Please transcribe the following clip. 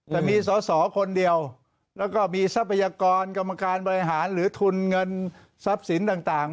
แต่มีสอสอคนเดียวแล้วก็มีทรัพยากรกรรมการบริหารหรือทุนเงินทรัพย์สินต่าง